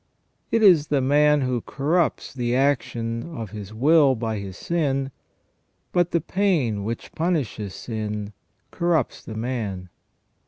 It is the man who corrupts the action of his will by his sin, but the pain which punishes sin corrupts the man.